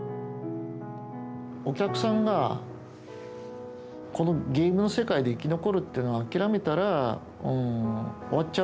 お客さんがこのゲームの世界で生き残るっていうのを諦めたらうん終わっちゃうぞっていう。